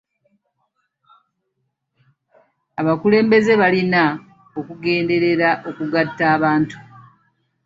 Abakulembeze balina okugenderera okugatta abantu.